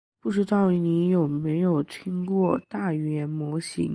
不知道你有没有听过大语言模型？